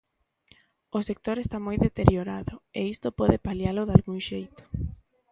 O sector está moi deteriorado e isto pode palialo dalgún xeito.